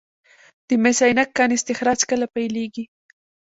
د مس عینک کان استخراج کله پیلیږي؟